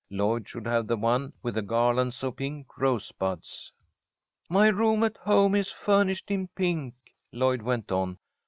Lloyd should have the one with the garlands of pink rosebuds. "My room at home is furnished in pink," Lloyd went on.